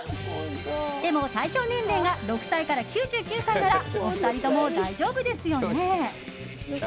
でも、対象年齢が６歳から９９歳ならお二人とも大丈夫ですよね？